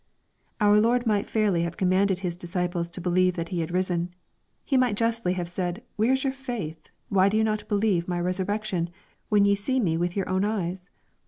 Our Lord might fairly have commanded His disciples to l)eHeve that He had risen. He might justly have said " Where is your faith ? Why do ye not believe my res urrection, when ye see me with your own eyes